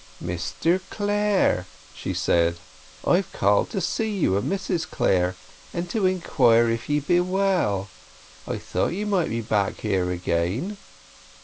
"Mr Clare," she said, "I've called to see you and Mrs Clare, and to inquire if ye be well. I thought you might be back here again."